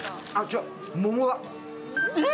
桃だ。